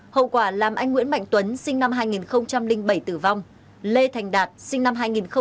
hậu quả làm anh nguyễn mạnh tuấn sinh năm hai nghìn bảy tử vong lê thành đạt sinh năm hai nghìn